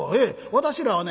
私らはね